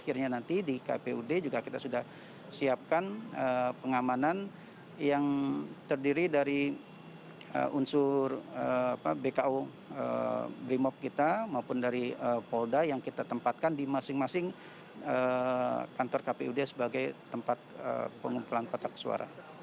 akhirnya nanti di kpud juga kita sudah siapkan pengamanan yang terdiri dari unsur bko brimob kita maupun dari polda yang kita tempatkan di masing masing kantor kpud sebagai tempat pengumpulan kotak suara